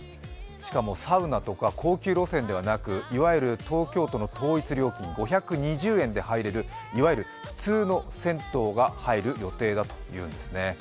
しかも、サウナとか高級路線ではなく、いわゆる東京都の統一料金５２０円で入れるいわゆる普通の銭湯が入る予定だというんですね。